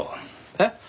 えっ？